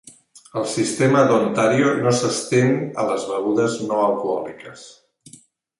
El sistema d'Ontario no s'estén a les begudes no alcohòliques.